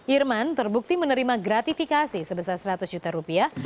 irman terbukti menerima gratifikasi sebesar seratus juta rupiah